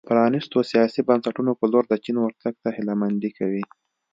د پرانیستو سیاسي بنسټونو په لور د چین ورتګ ته هیله مندي کموي.